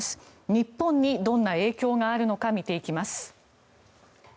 日本にどんな影響があるのか見ていきます。